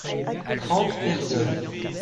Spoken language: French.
trente personnes.